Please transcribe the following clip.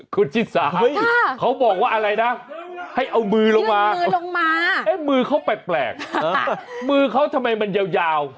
คุณชิสาเขาบอกว่าอะไรนะให้เอามือลงมามือลงมามือเขาแปลกมือเขาทำไมมันยาว